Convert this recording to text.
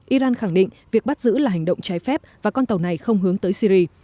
iran khẳng định việc bắt giữ là hành động trái phép và con tàu này không hướng tới syri